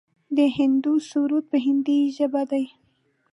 د هندو سرود په هندۍ ژبه دی.